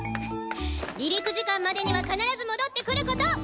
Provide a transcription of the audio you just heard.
離陸時間までには必ず戻ってくること！